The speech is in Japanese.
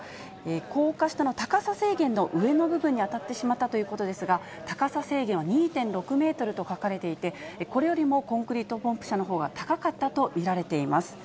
高架下の高さ制限の上の部分に当たってしまったということですが、高さ制限は２．６メートルと書かれていて、これよりもコンクリートポンプ車のほうが高かったと見られています。